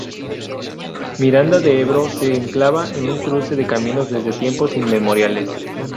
Miranda de Ebro se enclava en un cruce de caminos desde tiempos inmemoriales.